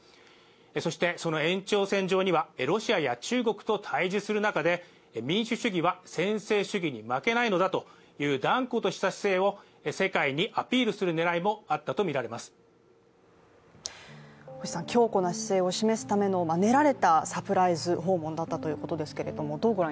そしてその延長線上にはロシアや中国と対峙する中で民主主義は専制主義に負けないのだという断固とした姿勢を世界にアピールする狙いもあったとみられます強固な姿勢を示すための練られたサプライズ訪問ということですが？